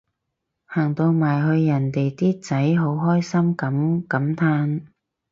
行到埋去人哋啲仔好真心噉感嘆